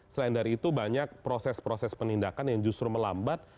selain dari itu banyak proses proses penindakan yang justru melambat